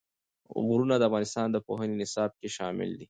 غرونه د افغانستان د پوهنې نصاب کې شامل دي.